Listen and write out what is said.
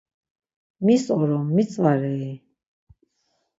Mis orom mitzvarei?